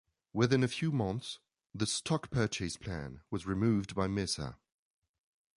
Within a few months the stock purchase plan was removed by Mesa.